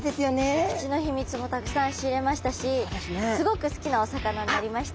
お口の秘密もたくさん知れましたしすごく好きなお魚になりました。